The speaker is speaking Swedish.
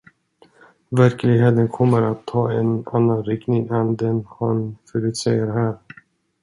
Verkligheten kommer att ta en annan riktning än den han förutsäger här.